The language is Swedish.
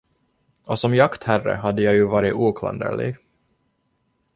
Och som jaktherre hade jag ju varit oklanderlig.